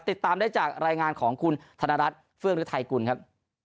ติดตามได้จากรายงานของคุณธนรัฐเฟื่องฤทัยกุลครับ